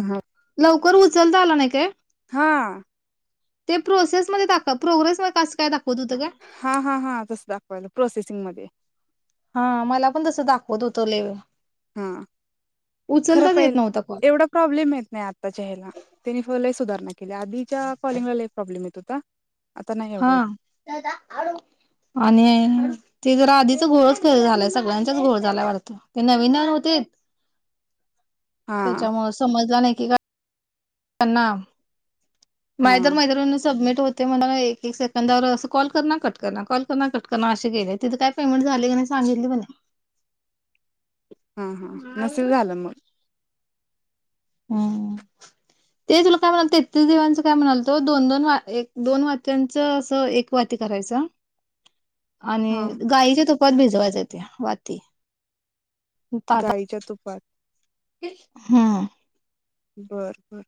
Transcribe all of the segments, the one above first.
हा लवकर उचलता आला नाही काय? हा ते प्रोसेसमध्ये टाकतात प्रोग्रेस मध्ये कासं काय दा हां हां हां तस दाखवायल प्रोसेसिंग मध्ये. हा मला पण तसं दाखवत होतो लय वेळा. हम्म खरं पहि येत नव्हता कॉल एवढा प्रॉब्लेम येत नाही आत्ताच्या ह्याला त्याने फहलेच सुधारणा आधीच्या कॉलिंगला लय प्रॉब्लेम येत होतं का? हा आणि ते ज आधीच घोळच खर झालाय सगळ्यांच्याच घोळ झाल्याय वाडत ते नवीन नाय होतेत हा त्याच्यामुळ समजला नाही की काय त्यांना हा नायतर माझ्यावरण सबमिट हो ते मला एक एक सेकंदावर अस कॉल करणार कट करणार कॉल करणार कट करणार असे केले तिज काय पेमेंट झाले की नाही सांगितल पण नाय हा हा नसेल झाल मग हम ते तुला काय म्हणाल तेतीस देवांचं काय म्हणाल तो दोन दोन वा एक दोन वाात्यांचं असं एक वाती करायचा हा आणि गाईच्या तू पात भिजवायच्या त्या वाती ताटा गायच्या तुप पात हम्म बर बर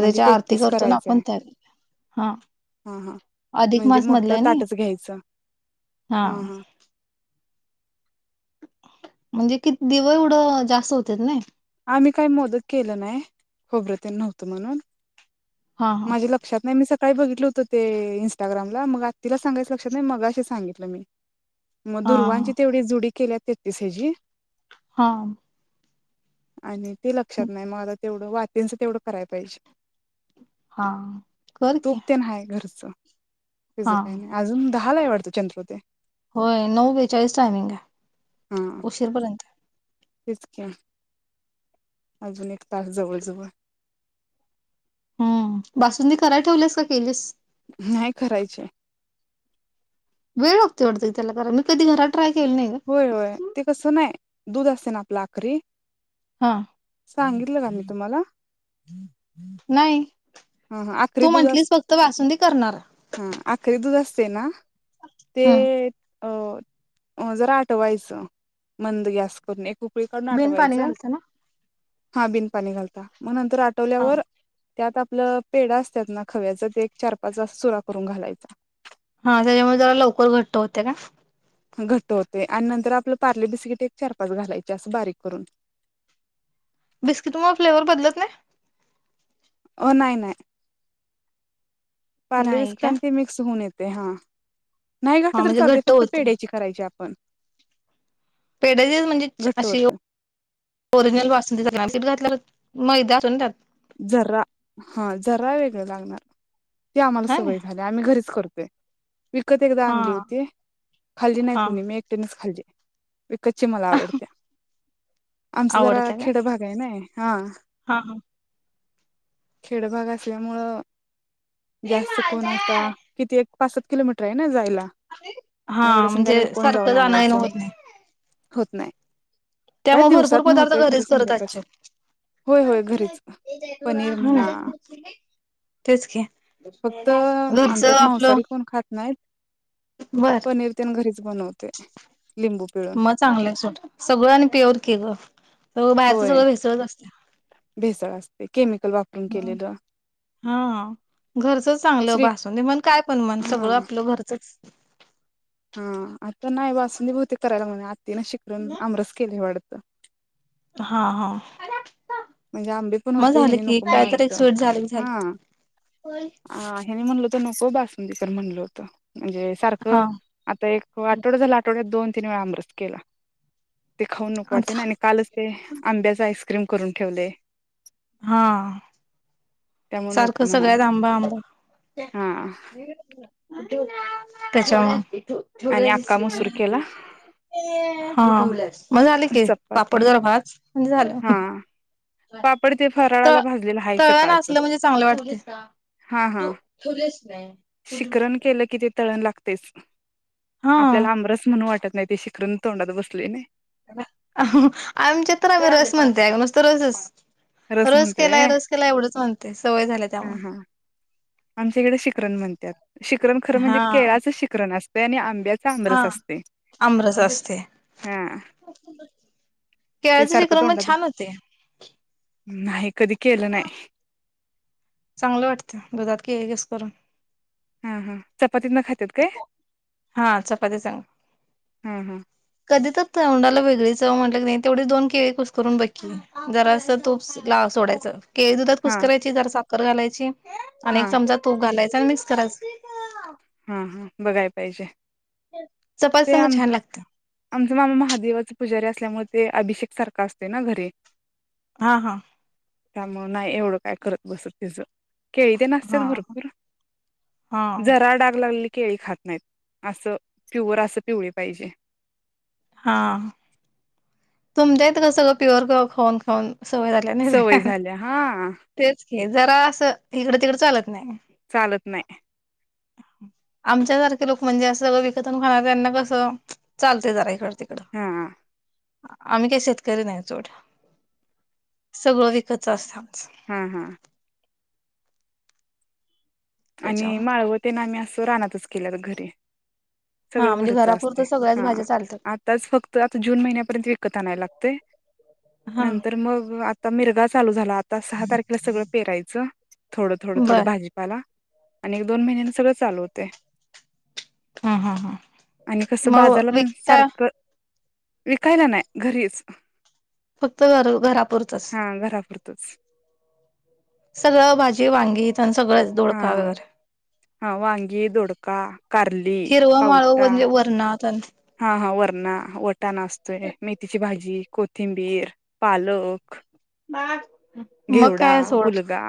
म्हणजे आरती तेहतीस करतो न आपण करायचंय त्या हा हा हा अधिक म्हणजे मास मोठं मधलाय हाय नी ताटच घ्यायचं हा म्हणजे कि दिव एवढं जास्त होत्यात नय. आम्ही काही मोदक केलं नाय खोबरं तेनं नव्हतं म्हणून हा हा माझ्या लक्षात नाय मी स काळी बघित होतं ते इस्टाग्रामला मग आतीला सांगायचं लक्षात नाय मग असे सांगितलं मी मग हा दुर्वांची तेवढी जुडी केल्या तेतीस ह्याजी हा आणि ते हा लक्षात नाय म आता तेवढं वातीच तेवढं कराय पाहिजे हा कर की, त्याज हा काय नाय अजून दहा दहा ला हाय वाटत चंद्रोदय होय नऊ बेचाळीस टायमिंग आहे हा उशीरपर्यंतये तेच क्या अजून एक तास जवळ जवळ हूं बासुंदी कराय ठेवलेस का केलीस. नाही करायची ये वेळ लागतोय वाटत त्याला जरा मी कधी घरात ट्राय केली नाही ग होय होय ते कसं नाही. दूध असते ना आपला आखरी हा सांगितलं का मी तुम्हाला नाही ह ह आखरी तू दूध अस म्हंटलीस फक्त बासुंदी करणार हा आखरी दूध असत. सना ते हम्म अ जरा आठवायचं मंद गॅस करून एकूप बिन पाणी घालतं ना हा बिन पाणी घालता म्ह नंतर नंतर हा आठवल्यावर त्या आता आपलं पेढा असतात. ना खव्याचा ते एक चार पाच घास चुरा करून घालायचा. हा त्याच्यामुळे जरा लवकर घट्ट होते. का घट होते आणि नंतर आपलं पार्ले बिस्किट एक चार पाच घालायची असं बारीक करून. बिस्किट मुळ फ्लेवर बदलत नाही. हो न्हाय न्हाय पार्ले नाही बिस्कीट का आणि ते मिक्स होऊ नयेत. ते हां नाही हा घातंल तर म्हणजे चालते घट्ट फक्त पेढ्याची करायची आप पण पेढ म्हणजे अशी ओरिजिनल बासुंदी सगळी ते घातल्यावर मैदा अस त्याात ज हा जरा वेगळ लागणार. ते आम्हाला हा ना सवय झाल्या आम्ही घरीच करतो. इ विकत एकदा हा आणली होती खाल्ली नाही हा कुणी मी एकटीनेच खाल्ली कच्छी मला आवडते. आमचा जरा आवडत्या काय खेड भाग आहे. नाई हा हा हा खेडभग असल्यामुळं जास्त कोणा आता किती पाचसात किलोमीटर आहे ना जायला. हा मग एवढ्या म्हणजे संध्याकाळी कोण जाऊन सारखं जाण येण आणायचं होत नाही. होत नाही काय त्यामुळे दिवसात भरपूर न पदार्थ होतय खरं घरीच करत संध्याकाळच असचील होय होय घरीच पनीर म्हणा तेच कि फक्त घरचं आमच्यात आपलं मांसाहारी कोण खात नाहीत बर पनीर तेन घरीच बनवते लिंबू पिळून मग चांगलं आहे सोड सगळं आणि प्युअर की ग तर बाहेरच सगळं भेसळच असतं भेसल वा असते केमी हम् हा घरचं चांगलं श्री बासून मण काय पण मण हा सगळं आपलं घरचच ह आता नाही बसूनी बहुतेक करायला म्ह शिकरून आमरस केले वाढत हा हा हा म्हणजे आंबे पण मग होते झालं हनी की नको काय तर म्हणालत एक स्वीट झालं की हा झालं हनी म्हणल नको बसुंदीकर म्हणलं होतं म्हणजे सारखं हा आता एक आठवड झालं आठवड्यात दोन तिने वेळा अमृत केला ते खाऊन नक पडते ना आता आणि कालच ते आंब्याचा आईस कु ठेवले हा त्यामुळे नको सारखं म्हणाल सगळ्यात आंबा आंबा हा त्याच्या ोड आणि दिस अक्का मसूर केला हा मग झाले की चपाती पापड जर भात म्हण झालं हा पापड ते तर फराळाला भाजलेला आहे तळण सकाळच असलं म्हणजे चांगलं वाटते हा हा शिखरण केलं कि ते तळण लागत तेच हा आपल्याला आमरस म्हणून वाटत नाही ते शिकरून तोंडात बसले नाही आमच्यात तर आम्ही रस म्हणते अ नुसत रसच रस म्हणतय केलाय रे रस केला एवढंच म्हणते सवय झाल्या हा हा त्यामुळे आमच्या इकडे शिखरण म्हणतात शिखरण खरं म्हणजे हा केळाचं शिकरण असत पन आमही आमरस हा असते आमरस असते हा ते केळचे श सारखं क्रमण तोंडात छान होते नाही कध केल ना चांगलं वाटतं दुधात के कस करून हा हा. चपातीत न खातात काय? हा चपाती सांग हा हा. कधी तर तोंडाला वेगळी चव म्हटलं की नाही तेवढी दोन केळी कुसकरून बघकी जरासं तूप लाव सोडायचं केळी दुधा हा कुसकरायची जरा सा कर घालायची आणि एक हा चमचा तूप घालायच. त्याला मिक्स करायचं. हा हा बघाय पाहिजे. चपाती ते संग आम छान लागतं आमचा मामा महादेवाच पुजारी असल्यामुळे ते अभिषेक सारखा असतोय ना घरी हा हा. त्यामुळ नाही एवढं काय करत बसत तिचं केळी तेन असत्यात हा भरपूर, हा जरा डाग लागलेली केळी खात नाहीत, अस प्युअर अस पिवळ पाहिजे. हा. तुमच्या हित कसंं सगळ प्युअर प्युअर खाऊन, खाऊन सवय झाल्या नाही सवय झाली या हा तेच की जरा असं इकड तिकड चालत नाही. चालत नाही. आमच्या सारखे लोक म्हणजे, असं सळग विकत आणून खाणाऱ्यांना कसं चालतय जरा इकड तिकडं हा आम्ही काही शेतकरी नाही सोड, सगळं विकतच असतय हा हा. आणि त्याच्यामुळे माळव तेन आम्ही असं हो रानातच केल्यात घरी हा सगळं म्हणजे घरच असतय, घरापुरतं सगळ्याच हा भाज्या चालतात आताच फक्त आता जून महिन्यापर्यंत एक विकत आणायला लागतय. हा नंतर मग आत आता मिरगाचं चालू झाला आता सहा तारखेला सगळं पेरायचं. थोडं, थोडं, थोडं बर भाजीपाला आणि एक, दोन महिन्यांन सगळं चालू होतय. हा हा हा, आणि कसं बाजारला मग पण विकता सारखं विकायला नाही घरीच फक्त घरापुरतच हा घरापुरतच सगळं भाजी, वांगी त्यां सगळंच हा दोडका हा वगैरे, हा वांगी, दोडका, कारली, हिरवं माळव पावटा म्हणजे वरणात हा हा वरणा, वटाणा असतोय. मेथीची भा भाजी, कोथिंबीर, पालक हा घेवडा हलगा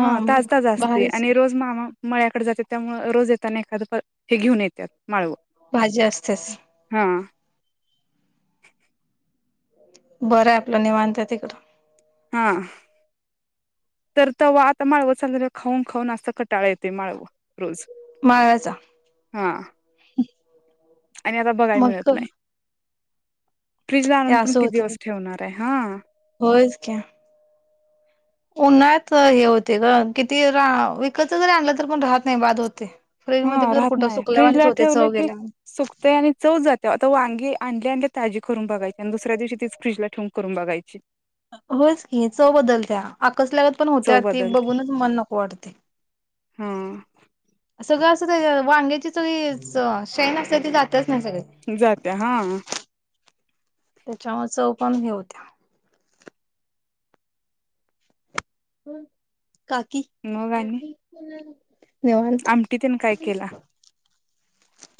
हा ताजताज असते भारीच आणि रोज मामा मळ्याकडे जाते त्यामु रोज येताना एखादं हे घेऊन येतात. माळव भाजी असतेच हा बरं आहे आपलं निवांत तिकडं हा तर तव आता माळव चाल खाऊन खाऊन असता कटाळा येते माळव माळा्याचा आणि आता बघायला मिळत नाही. फ्रिज ला हे आणूण पण असं किती होतं दिवस ठेवणार. ताय हा होयच की, उन्हात हे होते ग किती रा विकत जरी आणलं तररी पण राहत नाही बाद होते. फ्रीज मध्ये हा तर राहत कुठं नाही फ्रीज सुकल्यावानीच ला होते ठेवले चव की, गेल्यावानी सुकते आणि चव जाते. त व अंगी आण अे ताजी करून बघाची आणि दुसऱ्या दिवशी ती फ्रीज ला ठेवंक करून बघायची. होच की चव बदलत्या आकसल्यागत पण होत्या चव ती बदलते बघूनच मन नको वाटते. हा सगळं असं वांग्याची सगळी शेण असते ते जात. जात्या हा त्याच्यामुळे चौ उपम हे होत्या. हम् काकी मग आणि निवांत आमटी तने काय केला.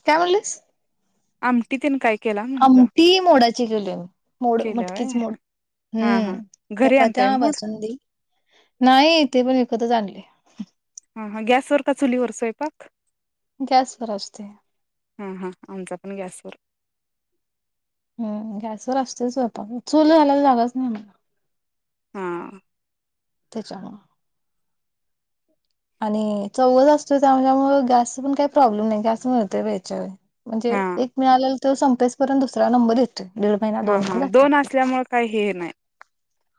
काय म्हणलीस, आमटी तेन काय केला म्हंटलं आमटी मोडाची केली, मोड केल्या व्हय मटकीच मोड, हा हा हम्म घरी आणताय चपात्या मूड बासुंदी, नाही इथे पण इकतच आणले. ह हा हा गॅसवर का चुलीवर स्वयंपाक गॅसवर असते. हा हा आमचा पण गॅसवर हम् गॅसवरर असते सयपाक चूलं घालायला जागच नाही मला हा तेच्यामुळ आणि चौघ असतोय त्यांच्यामुळ गॅस पण काही प्रॉब्लेम नाही गॅस मिळतय वेळच्या वेळी हा म्हणजे एक मिळाले तो संपेसपर्ंत दुसरा नंबर येतो हा हा दोन असल्यामुळे काही हे नाही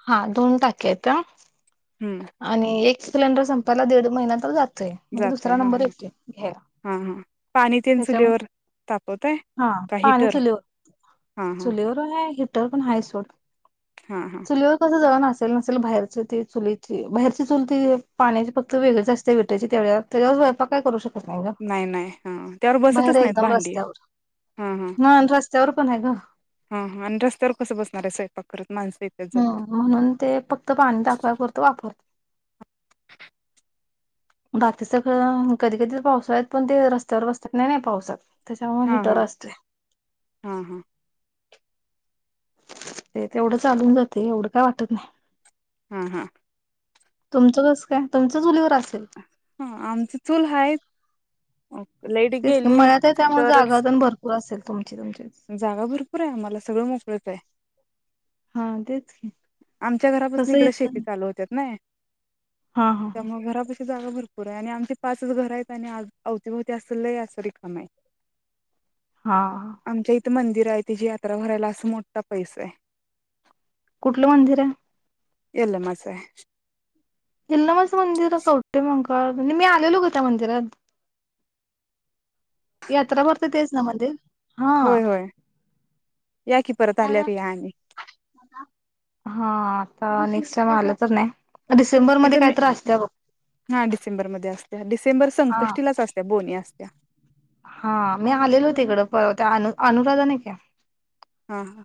हा दोन टाक्या हायत हम्म आणि एक सिलेंडर संपयला दीड महिन्या तर जातो म्हणजे जातय दुसरा हा नंबर हा येतोय घ्या हा हा पाणी तेन त्याच्या मूळ चुलीवर तापवताय हा का पाणी हिटर चुलीवर हा हा चुलीवर र पण हाय सोड हा हा चुलीवर कसं जेव अस असल नसेल बाहेरच ते चुलीत बाहेरची चुल ती पाण्याची फक्त वेगळी च असते, विटची त्याच्यावर स्वयंपाक काय करू शकतो? नाही, नाही हा त्यावर बसतच नाहीत एकदम भांडी हा हा चवर पण आहे ग हा हा आणि रस्त्यावर कसं बसणार आहे स्वयंपाक करत माणसं येतात जातात हम म्हणून ते फक्त पाणी तापवाय पुरत वापरते बाकी सगळं कधी कधी तर पावसाळ्यात पण ते रस्त्यावर बसतात नाही नाही पावसात त्याच्यामुळे हा हा हिटर असते. हा हा ते तेवढं चालून जाते एवढं काय वाटत नाही हा हा तुमचं कस काय तुमच चुलीवर अस हा आमची चूल हाय लाईट तेच की गेली मळ्यात आहे त्यामुळे जागा तरच, पण भरपूर असेल तुमची तुमचीच जागा भरपूर आहे आम्हाला सगळं मोकळच आहे. हा तेच की आमच्या घरापासून तसं इकडे इथ शेती चालू होत्यात नाय हा हा हा त्यामुळे घरापशी जागा भरपूर आहे आणि आमचे पाच घर आहेत आणि आ अवतीभवती असल असं रिकम य हा मंदिर आहे तिची यात्रा भरायला असं मोठा पैस ये. कुठलं मंदिर आहे? यल्लमा च अय. यल्लमाचं मंदिर कवटे मंंगळ म्हणजे मी आलेलो का त्या मंदिरात यात्रा भरता तेच ना मंदिर? हा होय होय या की परत आल्यावर या आणि हा नेक्स्ट टाइम आलं तर न्या. डिसेंबर मध्ये इथं काय मी तर असत्या बघ हा डिसेंबरमध्ये असत्या डिसें हा हा मी आलेलो होतेिकडं परत अन अनुराधा नाही का? हा हा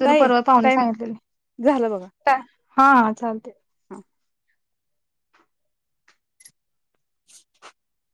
तरी ताई परवा पाहुणे टाईम सांगितलेले काय? हा चालते. हहा. [inaudible]